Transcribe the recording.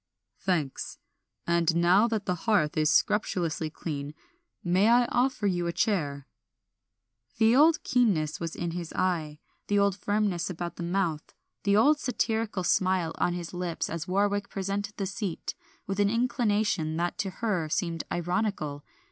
"Thanks; and now that the hearth is scrupulously clean may I offer you a chair?" The old keenness was in his eye, the old firmness about the mouth, the old satirical smile on his lips as Warwick presented the seat, with an inclination that to her seemed ironical.